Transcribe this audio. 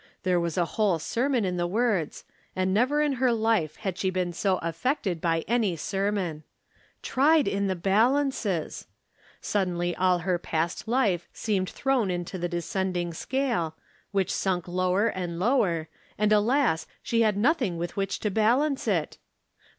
There was a jwhole sermon in the words, and never in her life had she been so affected by any sermon. Tried in the balances ! Suddenly all her past life seemed thrown into the descending scale, which sunk lower and lower, and, alas, she had nothing with which to balance it